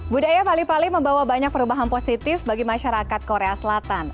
budaya pali pali membawa banyak perubahan positif bagi masyarakat korea selatan